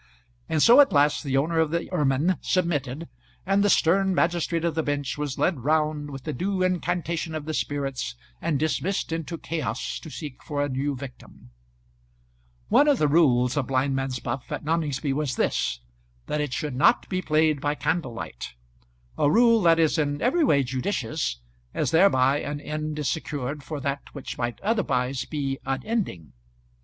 And so at last the owner of the ermine submitted, and the stern magistrate of the bench was led round with the due incantation of the spirits, and dismissed into chaos to seek for a new victim. [Illustration: Christmas at Noningsby Evening.] One of the rules of blindman's buff at Noningsby was this, that it should not be played by candlelight, a rule that is in every way judicious, as thereby an end is secured for that which might otherwise be unending.